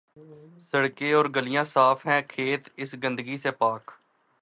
سڑکیں اورگلیاں صاف ہیں، کھیت اس گندگی سے پاک۔